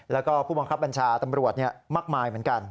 แล้วก็ผู้บังคับบัญชาตำรวจมากมายเหมือนกัน